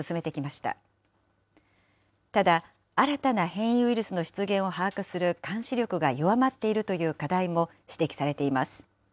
ただ、新たな変異ウイルスの出現を把握する監視力が弱まっているという課題も指摘されています。